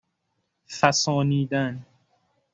فَسانیدن